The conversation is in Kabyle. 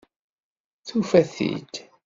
Tufa-t-id.